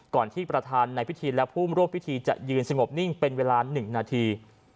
ที่ประธานในพิธีและผู้ร่วมพิธีจะยืนสงบนิ่งเป็นเวลา๑นาที